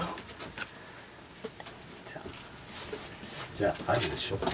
じゃあありにしようか。